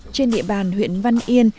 trên địa bàn huyện văn yên